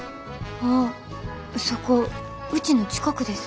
ああそこうちの近くです。